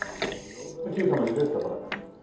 『Ｑさま！！』に出てたこれ。